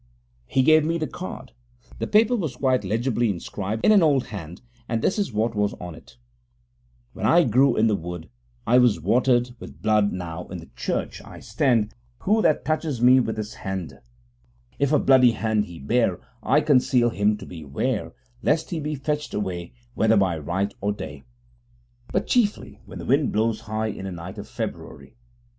He gave me the card. The paper was quite legibly inscribed in an old hand, and this is what was on it: When I grew in the Wood I was water'd w'th Blood Now in the Church I stand Who that touches me with his Hand If a Bloody hand he bear I councell him to be ware Lest he be fetcht away Whether by night or day, But chiefly when the wind blows high In a night of February.